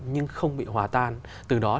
nhưng không bị hòa tan từ đó